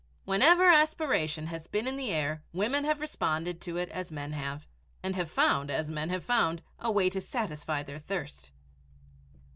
Whenever aspiration has been in the air, women have responded to it as men have, and have found, as men have found, a way to satisfy their thirst.